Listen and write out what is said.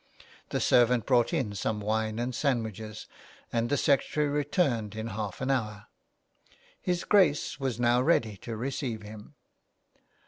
... The servant brought in some wine and sandwiches, and 191 A LETTER TO ROME, the secretary returned in half an hour. His Grace was now ready to receive him.